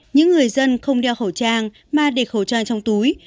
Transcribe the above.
những người dân không đeo khẩu trang mà để khẩu trang trong túi